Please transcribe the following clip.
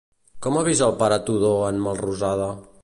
Com avisa al pare Tudó en Melrosada?